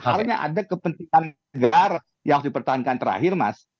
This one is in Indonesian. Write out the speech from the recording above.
artinya ada kepentingan negara yang harus dipertahankan terakhir mas